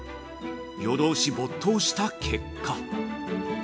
夜通し没頭した結果。